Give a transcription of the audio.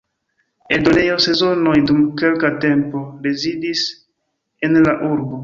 Eldonejo Sezonoj dum kelka tempo rezidis en la urbo.